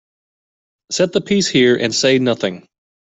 Set the piece here and say nothing.